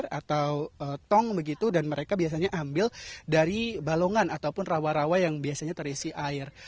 jadi ini adalah air atau tong begitu dan mereka biasanya ambil dari balongan ataupun rawa rawa yang biasanya terisi air